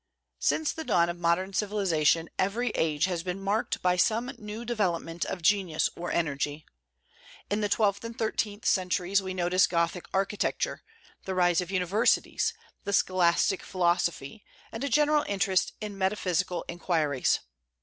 Since the dawn of modern civilization, every age has been marked by some new development of genius or energy. In the twelfth and thirteenth centuries we notice Gothic architecture, the rise of universities, the scholastic philosophy, and a general interest in metaphysical inquiries.